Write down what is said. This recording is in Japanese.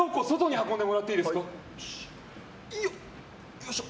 よいしょ。